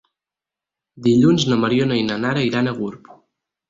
Dilluns na Mariona i na Nara iran a Gurb.